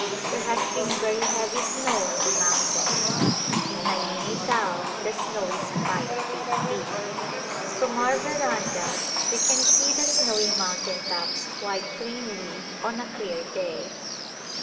There has been very heavy snow on the mountains ; in Naini Tal the snow is five feet deep. From our veranda we can see the snowy mountain tops quite plainly on a clear day.